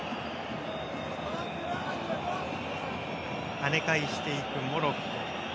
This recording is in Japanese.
はね返していく、モロッコ。